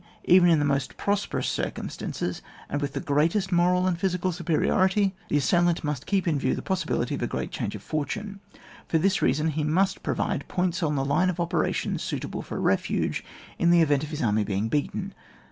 Even in the most prosperous circum stances, and with the greatest moral and physical superiority, &e assailant must keep in view the possibility of a great change of fortune. For this reason, he must provide points on the line of opera tions suitable for refuge, in the event of his army being beaten.